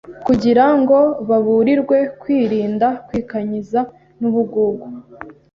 kugira ngo baburirwe kwirinda kwikanyiza n’ubugugu,